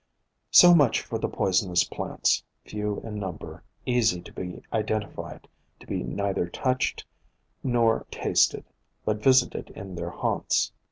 So much for the poisonous plants, few in num ber, easy to be identified, to be neither touched nor tasted, but visited in their haunts.